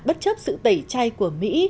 bất chấp sự tẩy chay của mỹ